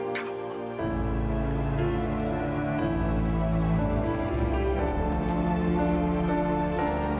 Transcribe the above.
bagaimana creekan allah